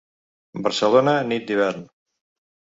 Barcelona nit d’hivern.